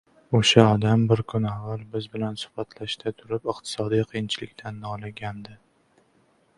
O’sha odam bir kun avval biz bilan suhbatlasha turib, iqtisodiy qiyinchilikdan noligandi.